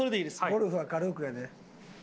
ゴルフは軽くやで。